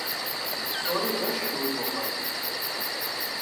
Псори зэщхь уи гугъэ?